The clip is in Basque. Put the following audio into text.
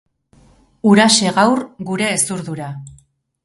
Huraxe gaur gure hezurdura.